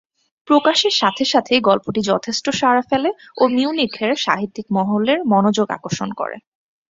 প্রকাশের সাথে সাথেই গল্পটি যথেষ্ট সাড়া ফেলে ও মিউনিখের সাহিত্যিক মহলের মনোযোগ আকর্ষণ করে।